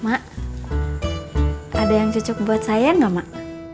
mak ada yang cucuk buat saya gak mak